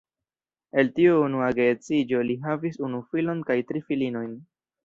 El tiu unua geedziĝo li havis unu filon kaj tri filinojn.